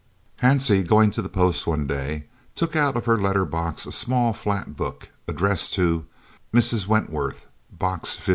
Hansie, going to the post one day, took out of her letter box a small flat book, addressed to "Mrs. Wentworth, Box 56."